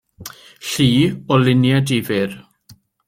Llu o luniau difyr.